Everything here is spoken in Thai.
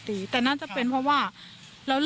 ทำไมคงคืนเขาว่าทำไมคงคืนเขาว่า